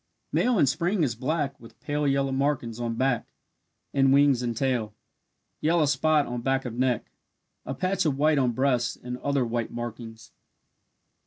Male in spring is black with pale yellow markings on back and wings and tail. Yellow spot on back of neck a patch of white on breast and other white markings.